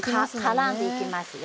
ねからんでいきますよ